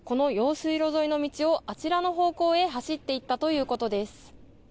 水路沿いの道をあちらの方向へ走っていったということです。